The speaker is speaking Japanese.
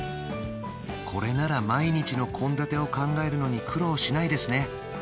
これなら毎日の献立を考えるのに苦労しないですね